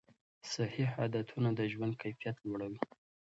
صحي عادتونه د ژوند کیفیت لوړوي.